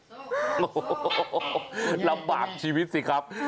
โอ้โหลำบากชีวิตสิครับ